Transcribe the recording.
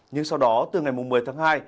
nhưng sau đó từ ngày một mươi tháng hai